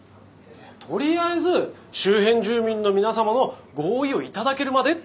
とりあえず周辺住民の皆様の合意を頂けるまでって感じ。